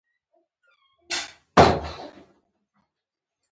څوک به تا ته سپين ګلاب درلېږي.